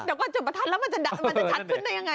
แต่ว่าจุดประทัดแล้วมันจะชัดขึ้นได้ยังไง